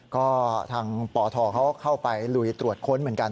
ก็ทางปทเขาเข้าไปลุยตรวจค้นเหมือนกัน